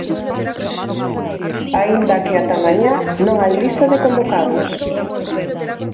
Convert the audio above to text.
Aínda que ata mañá non hai lista de convocados.